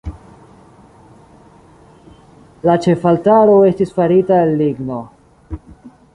La ĉefaltaro estis farita el ligno.